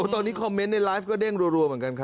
ตอนนี้คอมเมนต์ในไลฟ์ก็เด้งรัวเหมือนกันครับ